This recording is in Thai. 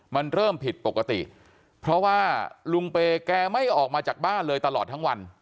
มันเริ่มผิดปกติเพราะว่าลุงเปย์แกไม่ออกมาจากบ้านเลยตลอดทั้งวัน